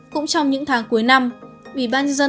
cũng trong những tháng cuối năm vị ban dân